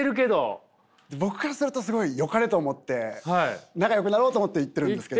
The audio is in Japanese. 僕からするとすごいよかれと思って仲よくなろうと思って言ってるんですけど。